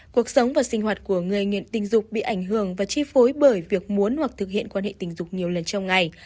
cuộc sống và sinh hoạt của người nghiện tình dục bị ảnh hưởng và chi phối bởi việc muốn hoặc thực hiện quan hệ tình dục nhiều lần trong ngày